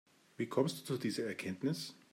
Wie kommst du zu dieser Erkenntnis?